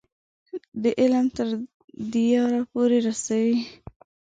د علم تر دیاره پورې رسوي.